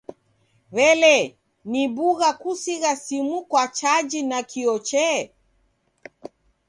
W'elee, ni bugha kusigha simu kwa chaji nakio chee?